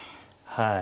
はい。